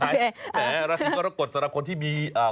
แต่ราศีกรกฏสำหรับคนที่เป็น